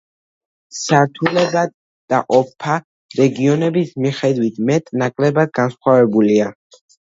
სართულებად დაყოფა რეგიონების მიხედვით მეტ-ნაკლებად განსხვავებულია.